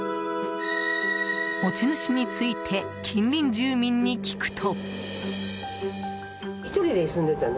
持ち主について近隣住民に聞くと。